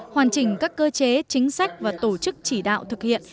hoàn chỉnh các cơ chế chính sách và tổ chức chỉ đạo thực hiện